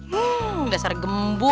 hmm dasar gembul